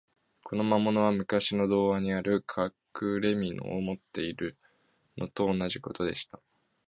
この魔物は、むかしの童話にある、かくれみのを持っているのと同じことでした。